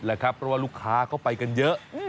เพราะว่าลูกค้าเข้าไปกันเยอะ